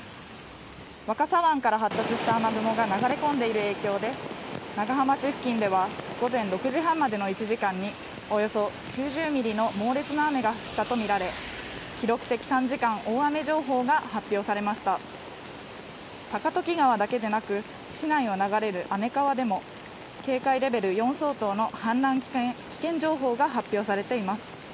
若狭湾から発達した雨雲が流れ込んでいる影響で長浜市付近では午前６時半までの１時間におよそ９０ミリの猛烈な雨が降ったと見られ記録的短時間大雨情報が発表されました高時川だけでなく市内を流れる姉川でも警戒レベル４相当の氾濫危険情報が発表されています